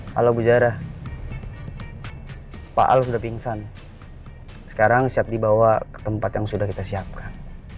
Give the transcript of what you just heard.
halo bu jarah pak alf sudah pingsan sekarang siap dibawa ke tempat yang sudah kita siapkan